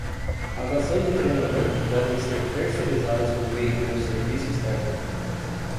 As ações de treinamento podem ser terceirizadas por meio de um serviço externo.